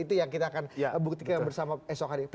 itu yang kita akan buktikan bersama esok hari